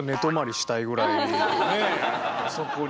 あそこに。